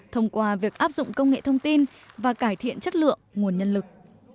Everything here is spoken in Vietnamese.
thông qua việc áp dụng công nghệ thông tin và cải thiện chất lượng nguồn nhân lực